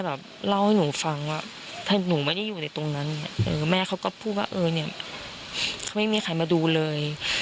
พูดว่าเออเนี่ยเขาไม่มีใครมาดูเลย